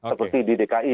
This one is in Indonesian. seperti di dki